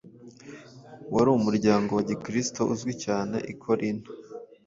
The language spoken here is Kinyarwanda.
wari umuryango wa Gikristo uzwi cyane i Korinto.